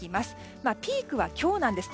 ピークは今日なんです。